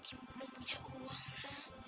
ibu belum punya uang ya